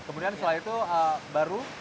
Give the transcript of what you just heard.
kemudian setelah itu baru